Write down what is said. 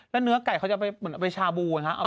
แล้วเนื้อไก่เขาจะไปเหมือนไปชาบูนะครับ